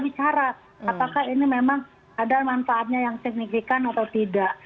bicara apakah ini memang ada manfaatnya yang signifikan atau tidak